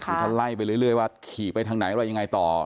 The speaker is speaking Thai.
คือท่านไล่ไปเรื่อยว่าขี่ไปทางไหนว่ายังไงต่อ